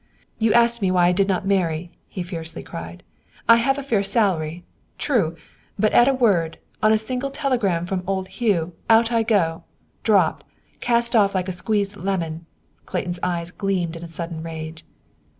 "You asked me why I did not marry," he fiercely cried. "I have a fair salary. True; but at a word, on a single telegram from old Hugh, out I go. Dropped, cast off like a squeezed lemon." Clayton's eyes gleamed in a sudden rage.